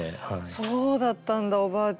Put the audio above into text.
そうだったんだおばあちゃん。